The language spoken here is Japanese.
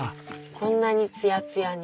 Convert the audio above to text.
こんなにツヤツヤに。